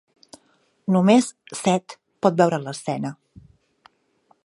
Només Set pot veure l'escena.